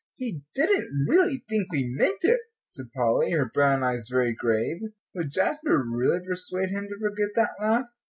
"He didn't really think we meant it," said Polly, her brown eyes very grave. Would Jasper really persuade him to forget that laugh?